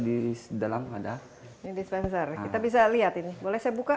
ini dispenser kita bisa lihat ini boleh saya buka